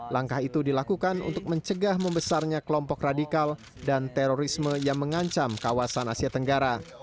langkah itu dilakukan untuk mencegah membesarnya kelompok radikal dan terorisme yang mengancam kawasan asia tenggara